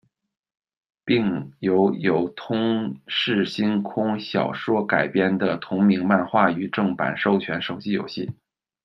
并有由《吞噬星空》小说改编的同名漫画与正版授权手机游戏。